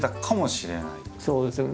そうですよね。